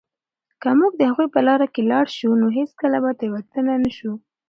که موږ د هغوی په لاره لاړ شو، نو هېڅکله به تېرو نه شو.